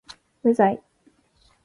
無罪